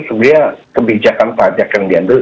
sebenarnya kebijakan pajak yang diambil